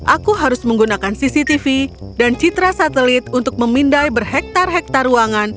aku harus menggunakan cctv dan citra satelit untuk memindai berhektar hektar ruangan